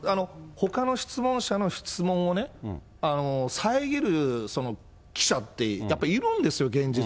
ほかの質問者の質問をね、遮る記者って、やっぱりいるんですよ、現実。